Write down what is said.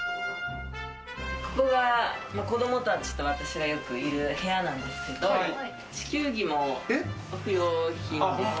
ここが子供たちと私がよくいる部屋なんですけど、地球儀も不用品です。